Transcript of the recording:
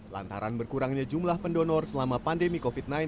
lantaran berkurangnya jumlah pendonor selama pandemi covid sembilan belas